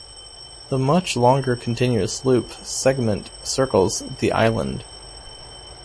The much longer continuous loop segment circles the island.